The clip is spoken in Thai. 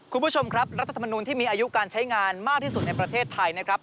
คุณผู้ชมครับรัฐธรรมนูลที่มีอายุการใช้งานมากที่สุดในประเทศไทยนะครับ